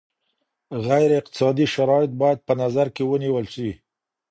غیر اقتصادي شرایط باید په نظر کي ونیول سي.